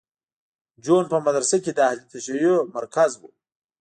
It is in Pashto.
جون په مدرسه کې د اهل تشیع مرکز و